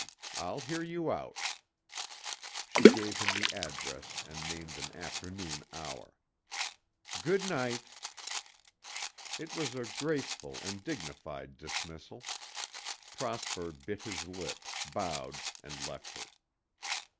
I'll hear you out." She gave him the address and named an afternoon hour. "Good night." It was a graceful and dignified dismissal. Prosper bit his lip, bowed and left her.